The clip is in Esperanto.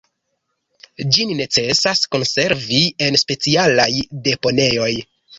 Ĝin necesas konservi en specialaj deponejoj.